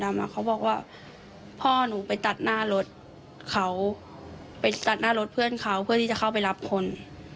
ใช่เข้ามาที่ราง